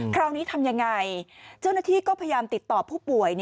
คราวนี้ทำยังไงเจ้าหน้าที่ก็พยายามติดต่อผู้ป่วย